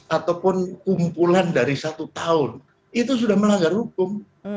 ataupun kumpulan dari satu tahun itu sudah melanggar hukum